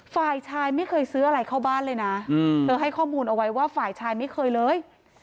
ฝ่ายชายไม่เคยซื้ออะไรเข้าบ้านเลยนะเธอให้ข้อมูลเอาไว้ว่าฝ่ายชายไม่เคยเลย